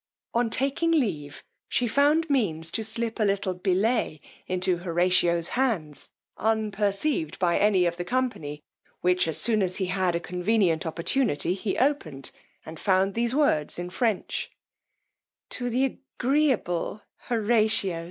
On taking leave she found means to slip a little billet into Horatio's hands, unperceived by any of the company, which, as soon as he had a convenient opportunity, he opened, and found these words in French: To the agreeable HORATIO.